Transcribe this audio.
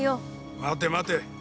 待て待て。